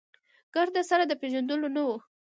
ګرد سره د پېژندلو نه و.